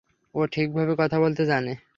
ও ঠিকভাবে কথা বলতে জানে?